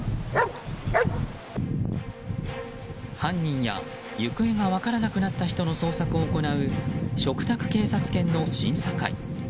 犯人や行方が分からなくなった人の捜索を行う嘱託警察犬の審査会。